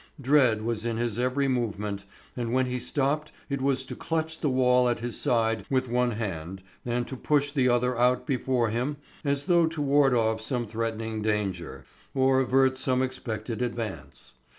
Dread was in his every movement, and when he stopped it was to clutch the wall at his side with one hand and to push the other out before him as though to ward off some threatening danger, or avert some expected advance.